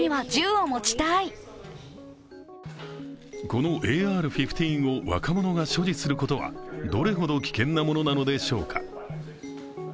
このＡＲ−１５を若者が所持することはどれほど危険なものなのでしょうか。